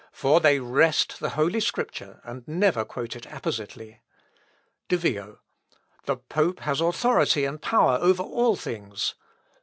For they wrest the Holy Scripture, and never quote it appositely." De Vio. "The pope has authority and power over all things."